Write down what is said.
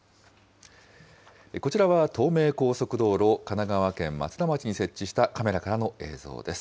こちらは東名高速道路、神奈川県松田町に設置したカメラからの映像です。